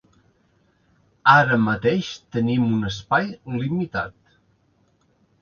Ara mateix tenim un espai limitat.